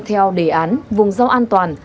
theo đề án vùng rau an toàn